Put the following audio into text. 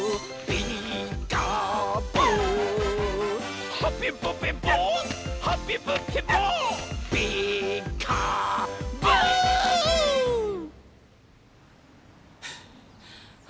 「ピーカーブ！」はあ。